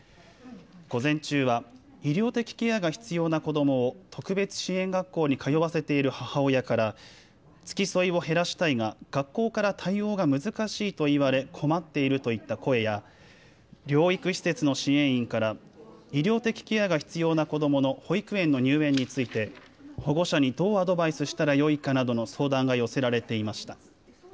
午前中は医療的ケアが必要な子どもを特別支援学校に通わせている母親から付き添いを減らしたいが学校から対応が難しいと言われ困っているといった声や療育施設の支援員から医療的ケアが必要な子どもの保育園の入園について保護者にどうアドバイスしたらよいかなどの相談が寄せられていました。